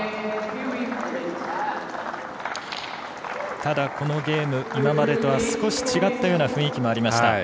ただ、このゲーム今までとは少し違ったような雰囲気がありました。